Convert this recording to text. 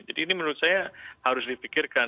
jadi ini menurut saya harus dipikirkan